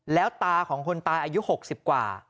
แล้วตาของคนตายอายุ๖๐กว่า